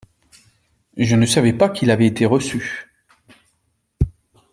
Je ne savais pas qu’il avait été reçu.